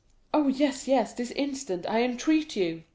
"Oh, yes, yes; this instant, I entreat you."